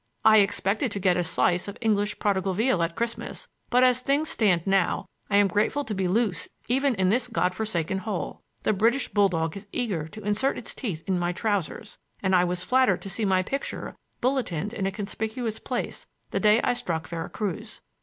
I expected to get a slice of English prodigal veal at Christmas, but as things stand now, I am grateful to be loose even in this God forsaken hole. The British bulldog is eager to insert its teeth in my trousers, and I was flattered to see my picture bulletined in a conspicuous place the day I struck Vera Cruz.